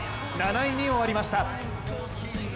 ７位に終わりました。